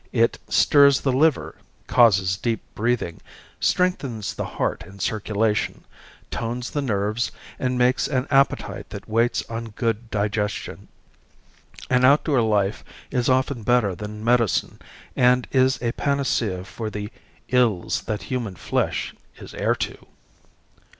It stirs the liver, causes deep breathing, strengthens the heart and circulation, tones the nerves and makes an appetite that waits on good digestion. An outdoor life is often better than medicine and is a panacea for the "ills that human flesh is heir to."